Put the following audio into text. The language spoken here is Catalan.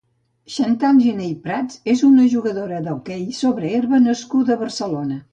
Xantal Giné i Patsi és una jugadora d'hoquei sobre herba nascuda a Barcelona.